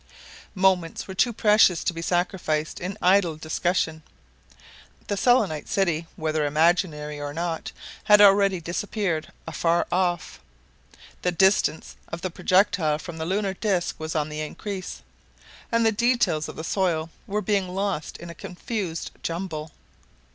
Moments were too precious to be sacrificed in idle discussion. The selenite city, whether imaginary or not, had already disappeared afar off. The distance of the projectile from the lunar disc was on the increase, and the details of the soil were being lost in a confused jumble.